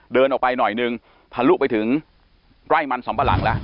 เดินออกไปหน่อยนึงทะลุไปถึงไร่มันสำปะหลังแล้ว